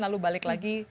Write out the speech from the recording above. lalu balik lagi